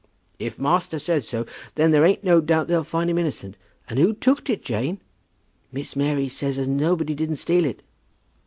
"If master said so, then there ain't a doubt as they'll find him innocent. And who took'd it, Jane?" "Miss Mary says as nobody didn't steal it."